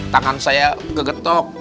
tangan saya kegetok